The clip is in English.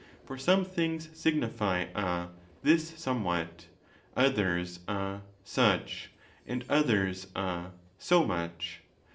For some things signify a this somewhat, others a such, and others a so much.